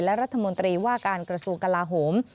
และรัฐมนตรีว่าการกระทรวงกลาโหม